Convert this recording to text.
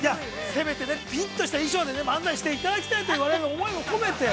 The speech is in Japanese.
◆せめてね、ピリッとした衣装で漫才していただきたいという我々の思いも込めて。